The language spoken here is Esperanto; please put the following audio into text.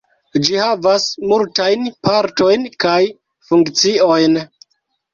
Ĝi havas multajn partojn kaj funkciojn.